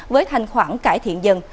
với thanh khoản cải thiện dần